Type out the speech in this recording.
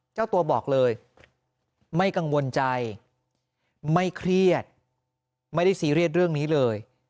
เจ้าตัวบอกเลยไม่กังวลใจไม่เครียดไม่ได้ซีเรียสเรื่องนี้เลย